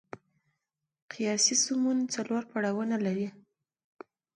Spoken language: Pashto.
قیاسي سمون څلور پړاوونه لري.